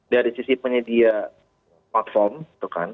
dari sisi penyedia platform itu kan